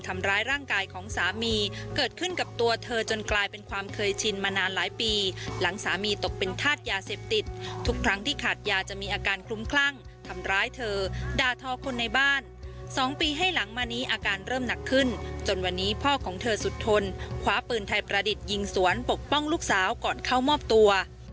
ทำร้ายร่างกายของสามีเกิดขึ้นกับตัวเธอจนกลายเป็นความเคยชินมานานหลายปีหลังสามีตกเป็นธาตุยาเสพติดทุกครั้งที่ขาดยาจะมีอาการคลุ้มคลั่งทำร้ายเธอด่าทอคนในบ้าน๒ปีให้หลังมานี้อาการเริ่มหนักขึ้นจนวันนี้พ่อของเธอสุดทนคว้าปืนไทยประดิษฐ์ยิงสวนปกป้องลูกสาวก่อนเข้ามอบตัว